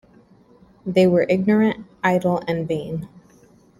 They were ignorant, idle, and vain.